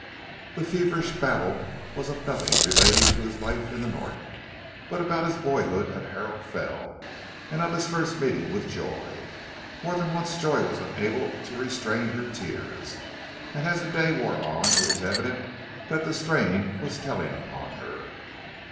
The feverish babble was of nothing relating to his life in the North, but about his boyhood at Harrow Fell, and of his first meeting with Joy. More than once Joy was unable to restrain her tears, and as the day wore on, it was evident that the strain was telling upon her.